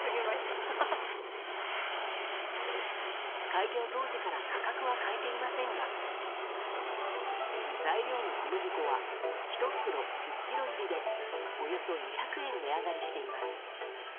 開業当時から価格は変えていませんが材料の小麦粉は１袋１０ｋｇ入りでおよそ２００円値上がりしています。